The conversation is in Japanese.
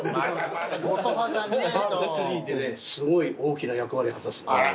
すごい大きな役割を果たす。